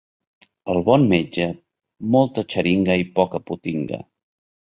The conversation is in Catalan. El bon metge, molta xeringa i poca potinga.